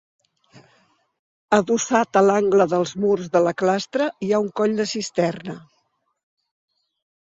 Adossat a l’angle dels murs de la clastra hi ha un coll de cisterna.